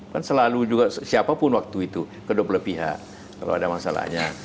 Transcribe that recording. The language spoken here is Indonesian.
kan selalu juga siapapun waktu itu kedua belah pihak kalau ada masalahnya